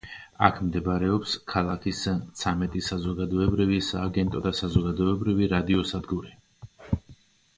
აქ მდებარეობს ქალაქის ცამეტი საზოგადოებრივი სააგენტო და საზოგადოებრივი რადიო სადგური.